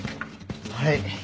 はい。